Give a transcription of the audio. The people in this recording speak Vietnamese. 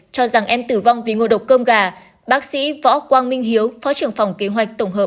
cho rằng em tử vong vì ngôi độc cơm gà bác sĩ võ quang minh hiếu phó trưởng phòng kế hoạch tổng hợp